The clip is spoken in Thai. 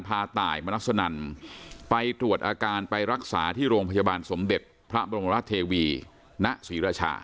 ไปตรวจอาการไปรักษาที่โรงพยาบาลสมเด็จพระบรมรัฐเทวีณศรีราชา